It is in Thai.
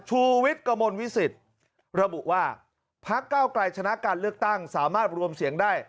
ชูวิทย์กระมวลวิสิตระบุว่าพักเก้าไกลชนะการเลือกตั้งสามารถรวมเสียงได้